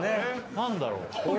何だろう？